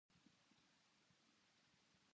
何かついてますよ